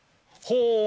ほう。